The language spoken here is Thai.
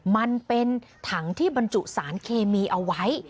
มันเป็นถังที่บรรจุสารเคมีเอาไว้